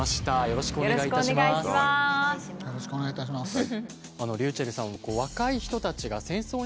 よろしくお願いします。